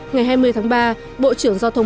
ngày hai mươi tháng ba bộ trưởng giao thông